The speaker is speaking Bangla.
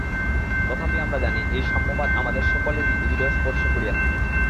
তথাপি আমরা জানি, এই সাম্যবাদ আমাদের সকলেরই হৃদয় স্পর্শ করিয়া থাকে।